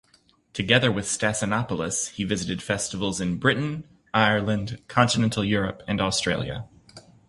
Together with Stassinopoulos, he visited festivals in Britain, Ireland, continental Europe and Australia.